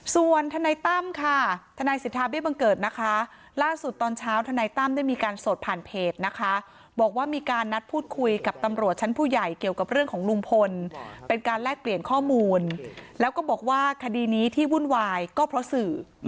ส่วนทนายตั้มค่ะทนายสิทธาเบี้บังเกิดนะคะล่าสุดตอนเช้าทนายตั้มได้มีการสดผ่านเพจนะคะบอกว่ามีการนัดพูดคุยกับตำรวจชั้นผู้ใหญ่เกี่ยวกับเรื่องของลุงพลเป็นการแลกเปลี่ยนข้อมูลแล้วก็บอกว่าคดีนี้ที่วุ่นวายก็เพราะสื่อ